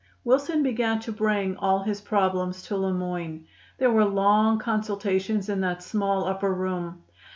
Wilson began to bring all his problems to Le Moyne. There were long consultations in that small upper room.